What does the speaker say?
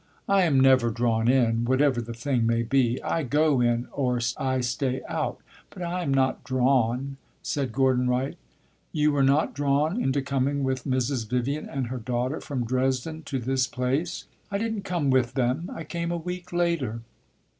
"I am never drawn in, whatever the thing may be. I go in, or I stay out; but I am not drawn," said Gordon Wright. "You were not drawn into coming with Mrs. Vivian and her daughter from Dresden to this place?" "I did n't come with them; I came a week later."